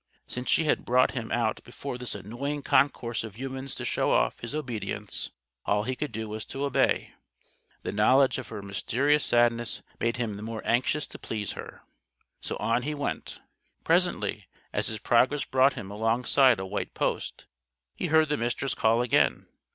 Since she had brought him out before this annoying concourse of humans to show off his obedience all he could do was to obey. The knowledge of her mysterious sadness made him the more anxious to please her. So on he went. Presently, as his progress brought him alongside a white post, he heard the Mistress call again.